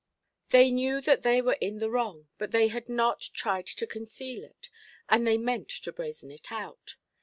They knew that they were in the wrong, but they had not tried to conceal it, and they meant to brazen it out.